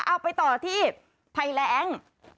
เอาไปต่อที่ไผล้ง